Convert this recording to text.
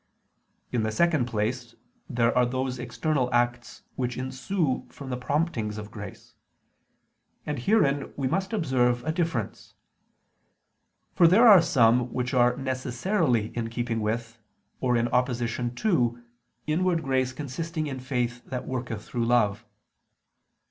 In the second place there are those external acts which ensue from the promptings of grace: and herein we must observe a difference. For there are some which are necessarily in keeping with, or in opposition to inward grace consisting in faith that worketh through love.